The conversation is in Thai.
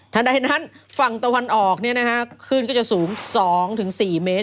ทันใดนั้นฝั่งตะวันออกเนี่ยนะฮะขึ้นก็จะสูง๒๔เมตร